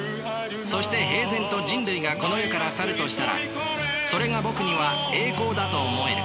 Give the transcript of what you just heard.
そして平然と人類がこの世から去るとしたらそれがぼくには栄光だと思える。